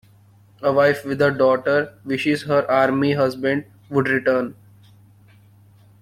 A wife with a daughter wishes her army husband would return.